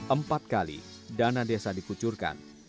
empat kali dana desa dikucurkan